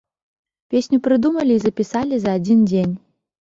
Песню прыдумалі і запісалі за адзін дзень.